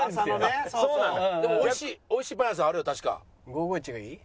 ５５１がいい？